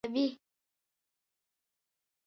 کمپيوټر نقشې رسموي.